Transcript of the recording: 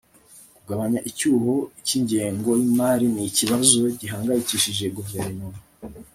kugabanya icyuho cy'ingengo y'imari ni ikibazo gihangayikishije guverinoma